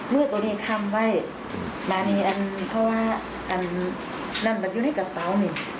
เมื่อตัวนี้ค่ำไว้มานี่อันเพราะว่าอันนั้นมันอยู่ในกระเป๋าเนี่ย